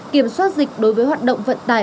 kiểm soát dịch đối với hoạt động vận tải